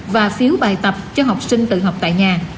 và phiếu bài tập cho học sinh tự học tại nhà